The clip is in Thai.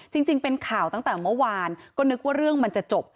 จริงเป็นข่าวตั้งแต่เมื่อวานก็นึกว่าเรื่องมันจะจบ